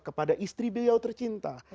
kepada istri beliau tercinta